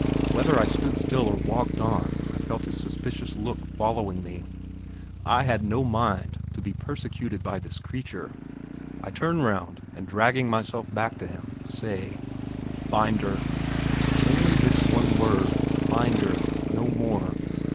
Whether I stood still or walked on, I felt his suspicious look following me. I had no mind to be persecuted by this creature. I turn round, and, dragging myself back to him, say: "Binder" only this one word, "Binder!" no more.